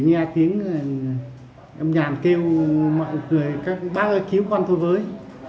nghe tiếng âm nhàn kêu mọi người bác ơi cứu con thôi với